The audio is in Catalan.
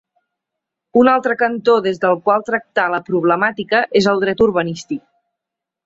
Un altre cantó des del qual tractar la problemàtica és el dret urbanístic.